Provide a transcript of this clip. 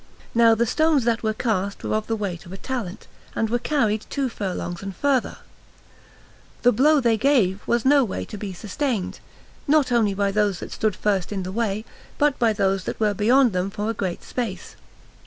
Now the stones that were cast were of the weight of a talent, and were carried two furlongs and further. The blow they gave was no way to be sustained, not only by those that stood first in the way, but by those that were beyond them for a great space.